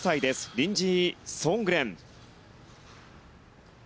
リンジー・ソーングレン。